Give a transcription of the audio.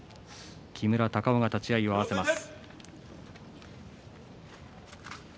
木村隆男が立ち合いを合わせます。